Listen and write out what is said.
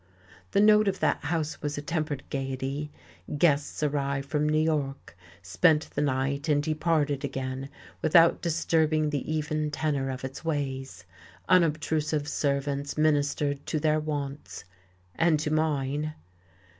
The note of that house was a tempered gaiety. Guests arrived from New York, spent the night and departed again without disturbing the even tenor of its ways. Unobtrusive servants ministered to their wants, and to mine....